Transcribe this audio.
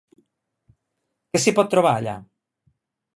Què s'hi pot trobar allà?